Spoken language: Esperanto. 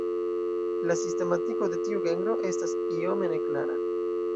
La sistematiko de tiu genro estas iome neklara.